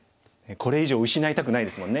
これ以上失いたくないですもんね。